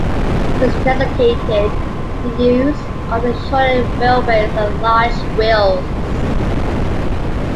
This necessitated the use of a shorter wheelbase and large wheels.